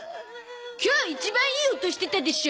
今日一番いい音してたでしょ？